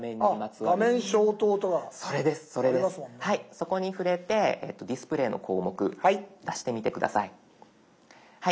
そこに触れて「ディスプレイ」の項目出してみて下さい。